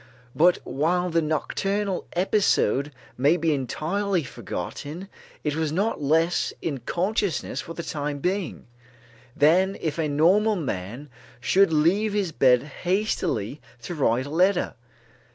But while the nocturnal episode may be entirely forgotten, it was not less in consciousness for the time being, than if a normal man should leave his bed hastily to write a letter.